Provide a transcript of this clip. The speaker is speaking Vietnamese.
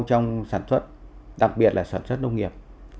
trong sản xuất đặc biệt là sản xuất nông nghiệp